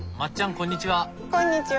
こんにちは。